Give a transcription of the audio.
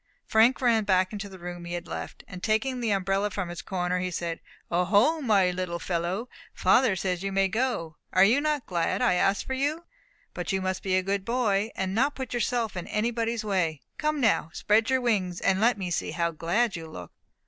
Frank ran back to the room he had left, and taking the umbrella from its corner, he said, "O ho, my little fellow, father says you may go. Are you not glad I asked for you? But you must be a good boy, and not put yourself in anybody's way. Come now, spread your wings, and let me see how glad you look."